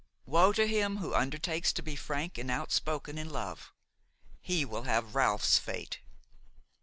Woe to him who undertakes to be frank and outspoken in love! he will have Ralph's fate.